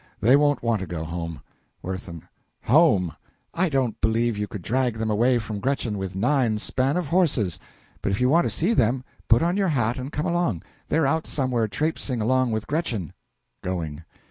They won't want to go home. WIRTHIN. Home! I don't believe you could drag them away from Gretchen with nine span of horses. But if you want to see them, put on your hat and come along; they're out somewhere trapseing along with Gretchen. (Going.)